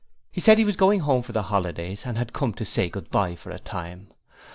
He said he was going home for the holidays and had come to say goodbye for a time.